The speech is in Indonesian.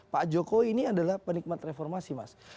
pak jokowi ini adalah penikmat reformasi mas